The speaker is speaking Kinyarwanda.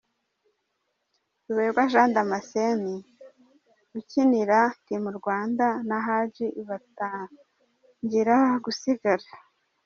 Ruberwa J Damascène ukinira Team Rwanda na Hadi batangira gusigara.